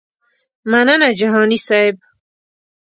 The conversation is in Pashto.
مننه جهاني صیب.